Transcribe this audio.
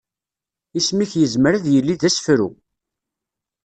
Isem-ik yezmer ad yili d asefru.